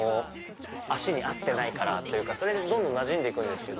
足に合ってないからというかそれでなじんでいくんですけど。